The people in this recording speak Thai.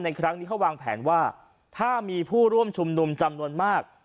ครั้งนี้เขาวางแผนว่าถ้ามีผู้ร่วมชุมนุมจำนวนมาก